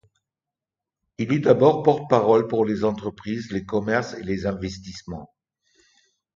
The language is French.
Il est d'abord porte-parole pour les Entreprises, le Commerce et les Investissements.